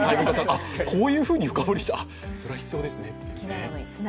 こういうふうに深掘りする、それは必要ですねって。